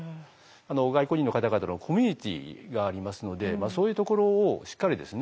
外国人の方々のコミュニティーがありますのでそういうところをしっかりですね